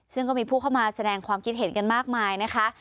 ซึ่งก็มีผู้เข้ามาแสดงความคิดเห็นกันมากมายนะคะ